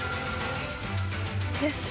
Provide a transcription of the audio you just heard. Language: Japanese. よし！